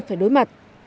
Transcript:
phải đối mặt